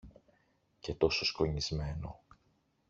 και τόσο σκονισμένο